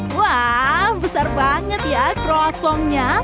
wow besar banget ya kru asalnya